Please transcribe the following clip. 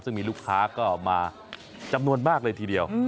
ซึ่งมีลูกค้าก็มาจำนวนมากเลยทีเดียว